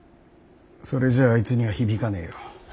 それじゃああいつには響かねえよ。